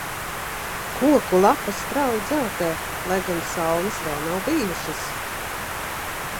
Koku lapas strauji dzeltē, lai gan salnas vēl nav bijušas.